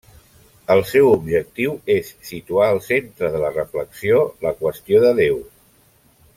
El seu objectiu és situar al centre de la reflexió la qüestió de Déu.